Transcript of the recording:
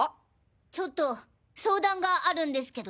ちょっと相談があるんですけど。